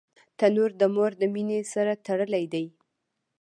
تنور د مور د مینې سره تړلی دی